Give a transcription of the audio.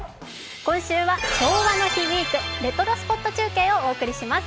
今週は「昭和の日ウィークレトロスポット中継」をお送りします。